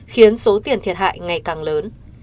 khiến số tiền thiệt hại ngày càng lớn